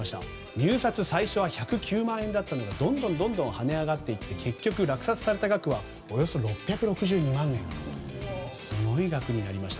入札、最初が１０９万円だったのがどんどん跳ね上がっていって結局、落札された額はおよそ６６２万円とすごい額になりました。